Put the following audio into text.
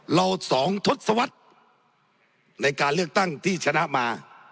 เราสองทศวรรษในการเลือกตั้งที่ชนะมา